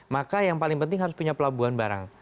maka yang paling penting harus punya pelabuhan barang